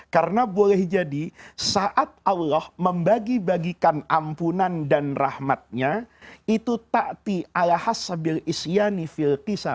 karena boleh jadi saat allah membagi bagikan ampunan dan rahmatnya